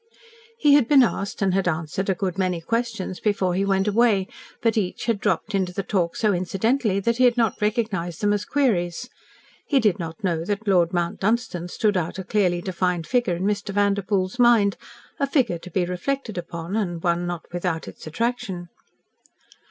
He had been asked and had answered a good many questions before he went away, but each had dropped into the talk so incidentally that he had not recognised them as queries. He did not know that Lord Mount Dunstan stood out a clearly defined figure in Mr. Vanderpoel's mind, a figure to be reflected upon, and one not without its attraction.